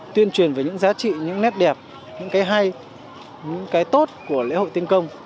tuyên truyền về những giá trị những nét đẹp những cái hay những cái tốt của lễ hội tiến công